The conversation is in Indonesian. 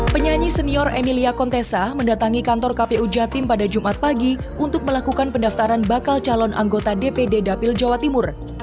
penyanyi senior emilia kontesa mendatangi kantor kpu jatim pada jumat pagi untuk melakukan pendaftaran bakal calon anggota dpd dapil jawa timur